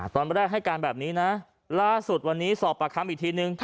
ตอนแรกให้การแบบนี้นะล่าสุดวันนี้สอบปากคำอีกทีนึง